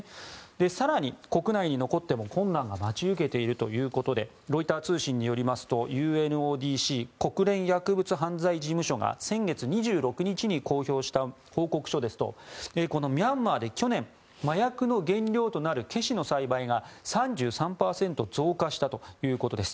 更に国内に残っても困難が待ち受けているということでロイター通信によりますとＵＮＯＤＣ・国連薬物犯罪事務所が先月２６日に公表した報告書ですとこのミャンマーで去年麻薬の原料となるケシの栽培が３３％増加したということです。